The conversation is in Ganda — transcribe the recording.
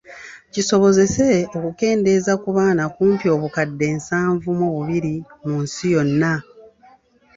Kisobozese okukendeeza ku baana kumpi obukadde nsanvu mu bubiri mu nsi yonna.